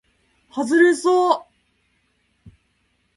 はずれそう